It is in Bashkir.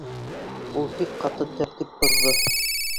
Ул бик ҡаты тәртип боҙҙо.